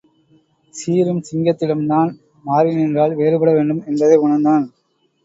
சீறும் சிங்கத்திடம் தான் மாறி நின்றால் வேறுபட வேண்டும் என்பதை உணர்ந்தான்.